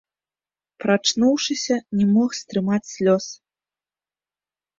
Прачнуўшыся, не мог стрымаць слёз.